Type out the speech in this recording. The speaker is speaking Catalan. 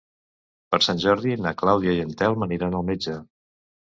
Per Sant Jordi na Clàudia i en Telm aniran al metge.